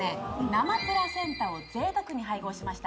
生プラセンタを贅沢に配合しました